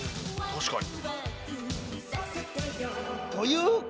確かに。